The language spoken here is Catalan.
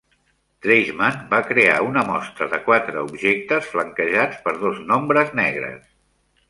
Treisman va crear una mostra de quatre objectes flanquejats per dos nombres negres.